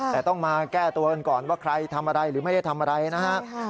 แต่ต้องมาแก้ตัวกันก่อนว่าใครทำอะไรหรือไม่ได้ทำอะไรนะฮะ